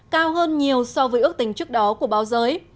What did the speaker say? cao hơn nhiều so với ước tính trước đó của báo giới